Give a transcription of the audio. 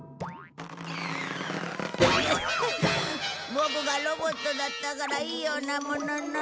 ボクがロボットだったからいいようなものの。